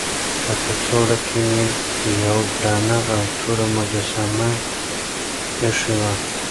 په کڅوړه کې یې یوه درنه او توره مجسمه ایښې وه.